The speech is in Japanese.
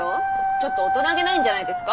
ちょっと大人げないんじゃないですか？